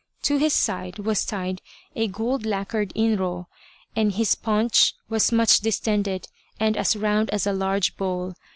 To his side was tied a gold lacquered inro, and his paunch was much distended and as round as a large bowl.